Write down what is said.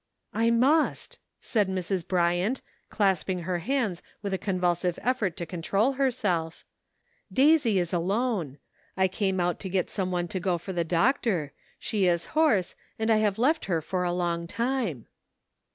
"I must," said Mrs. Bryant, clasping her hands with a convulsive effort to control her self, " Daisy is alone ; I came out to get some one to go for the doctor ; she is hoarse, and I have left her for a long time."